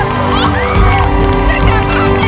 ร้องได้